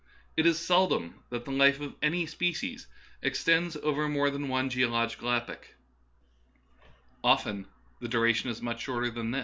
It is seldom that the life of any species extends over more than one geo logical epoch ; often the duration is much shorter than this.